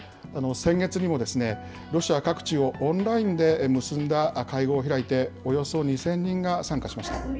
先月にも、ロシア各地をオンラインで結んだ会合を開いて、およそ２０００人が参加しました。